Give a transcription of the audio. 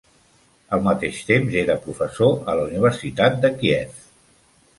Al mateix temps, era professor a la Universitat de Kiev.